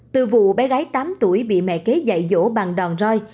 từ vụ bé gái tám tuổi bị mẹ kế dạy dỗ bằng đòn roi